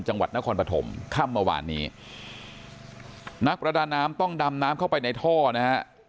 จังหวัดนครปฐมค่ำเมื่อวานนี้นักประดาน้ำต้องดำน้ำเข้าไปในท่อนะฮะ